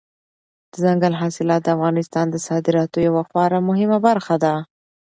دځنګل حاصلات د افغانستان د صادراتو یوه خورا مهمه برخه ده.